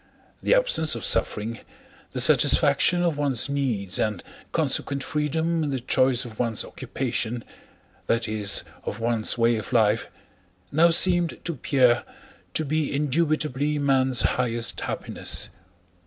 The absence of suffering, the satisfaction of one's needs and consequent freedom in the choice of one's occupation, that is, of one's way of life, now seemed to Pierre to be indubitably man's highest happiness.